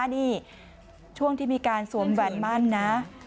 นี่ช่วงที่มีการสวมแหวนมั่นนะ